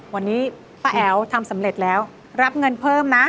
วันนี้ป้าแอ๋วทำสำเร็จแล้วรับเงินเพิ่มนะ